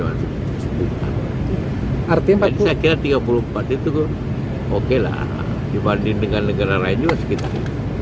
saya kira tiga puluh empat itu oke lah dibanding dengan negara lain juga sekitar